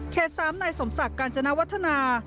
เขตสามในสมศักดิ์การจนาวัฒนา